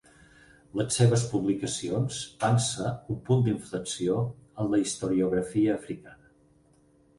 Les seves publicacions van ser un punt d'inflexió en la historiografia africana.